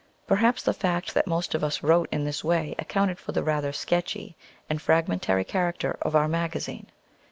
Perhaps the fact that most of us wrote in this way accounted for the rather sketchy and fragmentary character of our "Magazine."